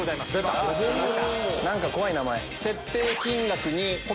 何か怖い名前！